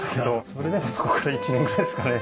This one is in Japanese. それでもそこから１年くらいですかね。